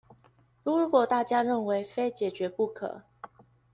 如果大家認為非解決不可